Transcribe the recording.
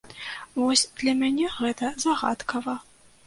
Вось для мяне гэта загадкава.